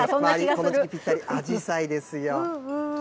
この時期にぴったり、あじさいですよ。